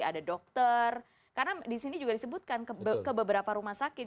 ada dokter karena di sini juga disebutkan ke beberapa rumah sakit